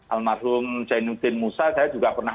almarhum zainuddin musa saya juga pernah